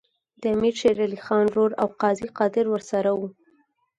د امیر شېر علي خان ورور او قاضي قادر ورسره وو.